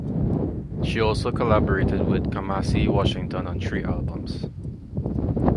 She also collaborated with Kamasi Washington on three albums.